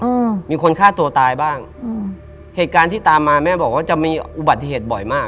อืมมีคนฆ่าตัวตายบ้างอืมเหตุการณ์ที่ตามมาแม่บอกว่าจะมีอุบัติเหตุบ่อยมาก